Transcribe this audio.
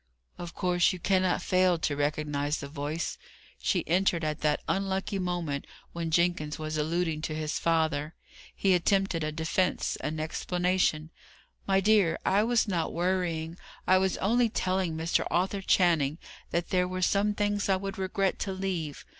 Of course you cannot fail to recognize the voice. She entered at that unlucky moment when Jenkins was alluding to his father. He attempted a defence an explanation. "My dear, I was not worrying. I was only telling Mr. Arthur Channing that there were some things I should regret to leave.